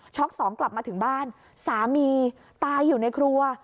สองกลับมาถึงบ้านสามีตายอยู่ในครัว